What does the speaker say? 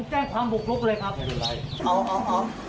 จะพาคุณผู้ชมไปดูบรรยากาศตอนที่เจ้าหน้าที่เข้าไปในบ้าน